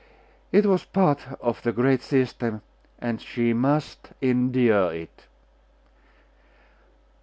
It was part of the great system; and she must endure it.